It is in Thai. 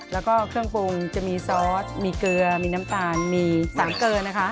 แล้วก็เครื่องปรุงจะมีซอสมีเกลือมีน้ำตาลมี๓เกลือนะคะ